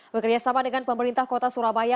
bekerjasama dengan pemerintah kota surabaya